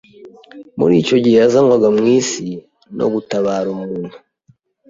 muri icyo gihe yazanwaga mu isi no gutabara umuntu.